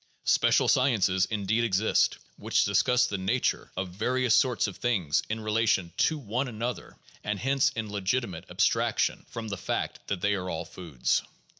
Special sciences indeed exist which discuss the nature of various sorts of 550 THE JOURNAL OF PHILOSOPHY things in relation to one another, and hence in legitimate abstraction from the fact that they are all foods.